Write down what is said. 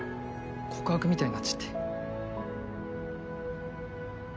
告白みたいになっちゃって。